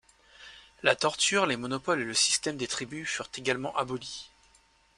La torture, les monopoles et le système des tributs furent également abolis.